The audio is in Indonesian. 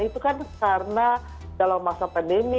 itu kan karena dalam masa pandemi